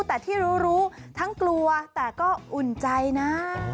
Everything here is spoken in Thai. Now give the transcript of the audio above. แต่ที่รู้รู้ทั้งกลัวแต่ก็อุ่นใจนะ